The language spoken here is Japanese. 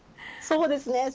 そうですね